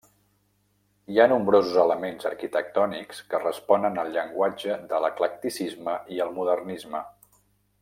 Hi ha nombrosos elements arquitectònics que responen al llenguatge de l'eclecticisme i el modernisme.